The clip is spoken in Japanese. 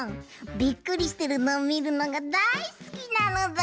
びっくりしてるのをみるのがだいすきなのだ！